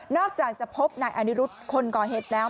อกจากจะพบนายอานิรุธคนก่อเหตุแล้ว